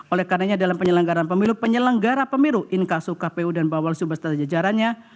oleh karena ini dalam penyelenggaran pemilu penyelenggara pemilu inkasuh kpu dan bawal subasta dan jajarannya